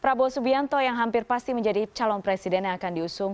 prabowo subianto yang hampir pasti menjadi calon presiden yang akan diusung